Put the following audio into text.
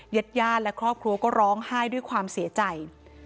ญาติญาติและครอบครัวก็ร้องไห้ด้วยความเสียใจ